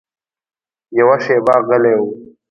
يوه شېبه غلی و.